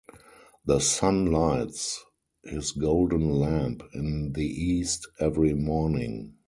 The sun lights his golden lamp in the east every morning.